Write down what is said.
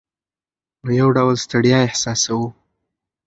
نو یو ډول ستړیا احساسوو.